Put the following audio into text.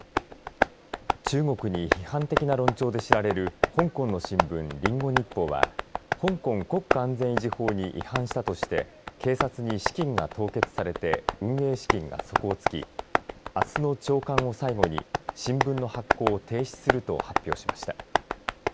中国に批判的な論調で知られる香港の新聞、リンゴ日報をは香港国家安全維持法に違反したとして警察に資金が凍結されて運営資金が底をつきあすの朝刊を最後に新聞の発行を停止すると発表しました。